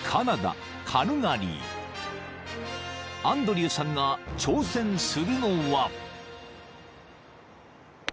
［アンドリューさんが挑戦するのは］